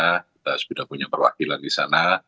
kita sudah punya perwakilan di sana